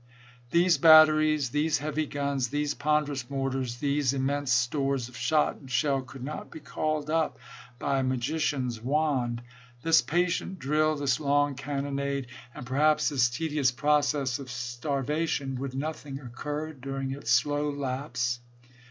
These batteries, these heavy guns, these ponderous mortars, these immense stores of shot and shell, could not be called up by a magician's wand. This patient drill, this long cannonade, and perhaps 126 ABRAHAM LINCOLN chap. ix. this tedious process of starvation — would nothing occur during its slow lapse